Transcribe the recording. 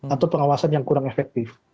atau pengawasan yang kurang efektif